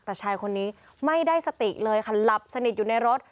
แต่ชายคนนี้ไม่ได้สติเลยค่ะหลับสนิทอยู่ในรถ